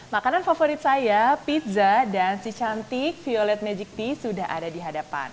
makanan favorit saya pizza dan si cantik violet magic tea sudah ada di hadapan